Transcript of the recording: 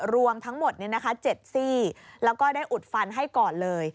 รวมทั้งหมด๗ซี่แล้วก็ได้อุดฟันให้ก่อนเลย